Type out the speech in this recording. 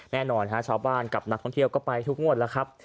แน่นอนฮะชาวบ้านกับนักท่องเที่ยวก็ไปทุกงวดแล้วครับ